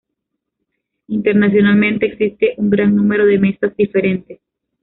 Internacionalmente, existe un gran número de mesas diferentes.